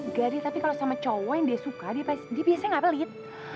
gari tapi kalau sama cowok yang dia suka dia biasanya nggak pelit